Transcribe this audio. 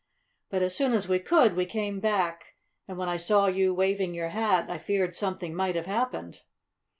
But as soon as we could we came back, and when I saw you waving your hat I feared something might have happened."